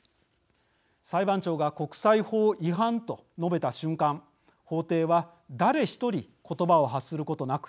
裁判長が国際法違反と述べた瞬間法廷は誰一人言葉を発することなく